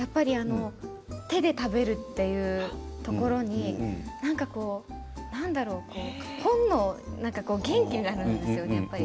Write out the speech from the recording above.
手で食べるというところに何かこう本能元気になるんですよね。